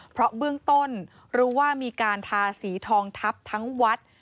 เพราะเบื้องต้นรู้ว่ามีการทาสีทองทับทั้งวัด